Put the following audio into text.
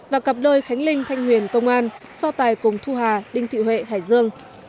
và cặp đôi khánh linh thanh huyền công an so tài cùng thu hà đinh thị huệ hải dương